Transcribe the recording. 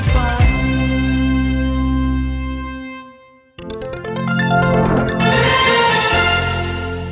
โปรดติดตามตอนต่อไป